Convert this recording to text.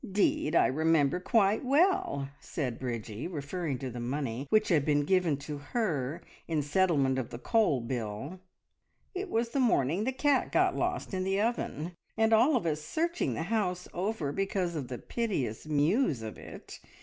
"'Deed, I remember quite well!" said Bridgie, referring to the money which had been given to her in settlement of the coal bill. "It was the morning the cat got lost in the oven, and all of us searching the house over because of the piteous mews of it.